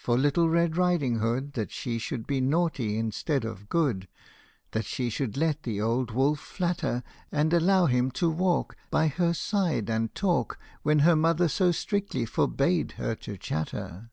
for Little Red Riding Hood, That she should be naughty instead of good ; That she should let the old wolf flatter, And allow him to walk By her side and talk, When her mother so strictly forbade her to chatter.